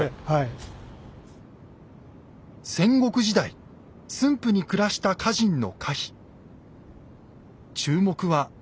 戦国時代駿府に暮らした歌人の歌碑。